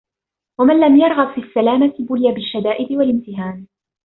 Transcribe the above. وَمَنْ لَمْ يَرْغَبْ فِي السَّلَامَةِ بُلِيَ بِالشَّدَائِدِ وَالِامْتِهَانِ